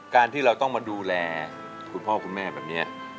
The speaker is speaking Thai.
การที่เราต้องมาดูแลคุณพ่อคุณแม่แบบนี้